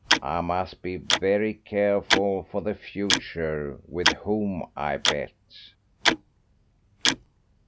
I must be very careful for the future with whom I bet."